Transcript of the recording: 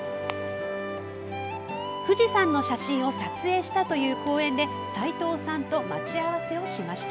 富士山の写真を撮影したという公園で斉藤さんと待ち合わせをしました。